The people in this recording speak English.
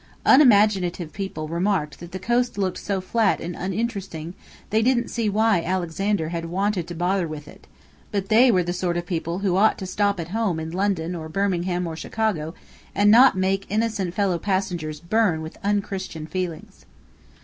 Unimaginative people remarked that the coast looked so flat and uninteresting they didn't see why Alexander had wanted to bother with it; but they were the sort of people who ought to stop at home in London or Birmingham or Chicago and not make innocent fellow passengers burn with unchristian feelings.